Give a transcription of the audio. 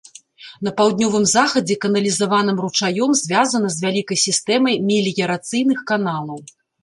На паўднёвым захадзе каналізаваным ручаём звязана з вялікай сістэмай меліярацыйных каналаў.